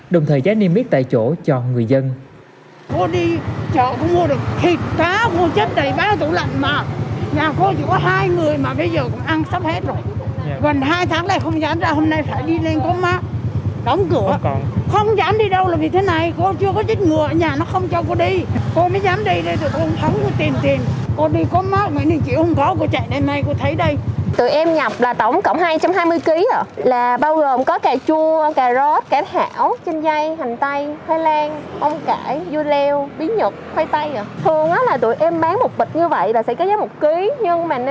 đồng thời giá niêm biết tại chỗ cho người dân